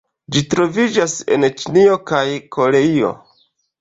Ĝi troviĝas en Ĉinio kaj Koreio.